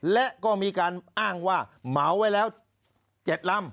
และก็มีการอ้างว่าเหมาไว้แล้ว๗ลำ